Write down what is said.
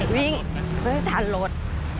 วิ่งเพื่อทานรถ